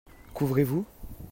Qu'ouvrez-vous ?